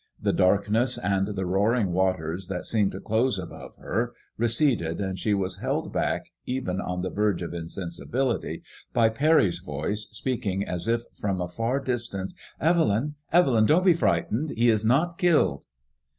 The darkness and the roaring waters that seemed to close above her, receded, and she was held back, even on the verge of insensibility, by Parry's voice, speaking as if from a far distance. " Evelyn, Evelyn, don't be frightened ; he is not killed."